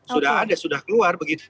sudah ada sudah keluar